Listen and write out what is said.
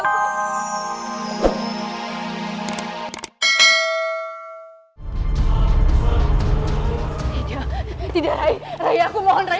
tidak tidak rai rai aku mohon rai